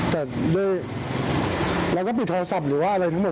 แต่ด้วยเราก็ปิดโทรศัพท์หรือว่าอะไรทั้งหมด